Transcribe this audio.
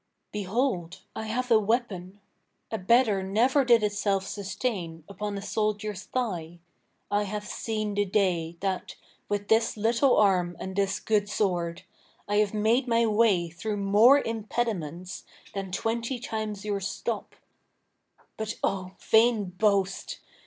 Behold, I have a weapon; A better never did itself sustain Upon a soldier's thigh: I have seen the day, That, with this little arm and this good sword, I have made my way through more impediments Than twenty times your stop: but, O vain boast!